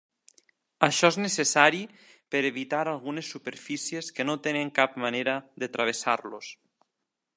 Això és necessari per evitar algunes superfícies que no tenen cap manera de travessar-los.